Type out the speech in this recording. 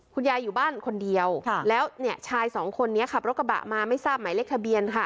คุณยายอยู่บ้านคนเดียวแล้วเนี่ยชายสองคนนี้ขับรถกระบะมาไม่ทราบหมายเลขทะเบียนค่ะ